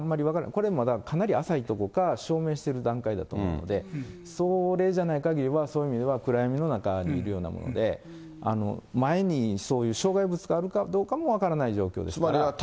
これ、かなり浅い所か、証明してる段階だと思うので、それじゃないかぎりはそういう意味では暗闇の中にいるようなもので、前にそういう障害物があるかどうかも分からない状況ですから。